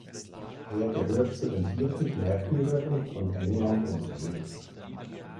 Er gehört zu den Vierzig Märtyrern von England und Wales.